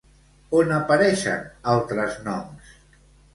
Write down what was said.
On apareixen altres noms?